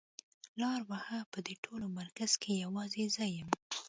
لار وهه په دې ټول مرکز کې يوازې زه يم.